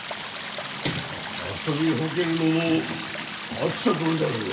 遊びほうけるのも飽きた頃じゃろうが。